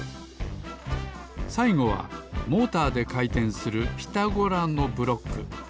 さいごはモーターでかいてんするピタゴラのブロック。